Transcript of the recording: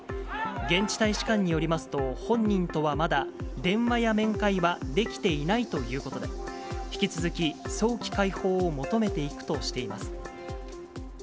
現地大使館によりますと、本人とはまだ、電話や面会はできていないということで、引き続き、早期解放を求めていくとしています。